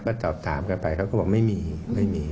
ก็ตอบถามกันไปเขาก็บอกไม่มีไม่มี